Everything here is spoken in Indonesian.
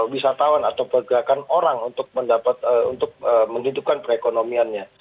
wisatawan atau pergerakan orang untuk mendapat untuk menghidupkan perekonomiannya